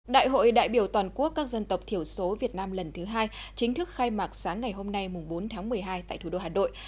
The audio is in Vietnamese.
đại hội đại biểu toàn quốc các dân tộc thiểu số việt nam lần thứ hai chính thức khai mạc sáng ngày hôm nay bốn tháng một mươi hai tại thủ đô hà nội